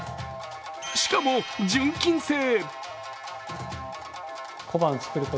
しかも純金製。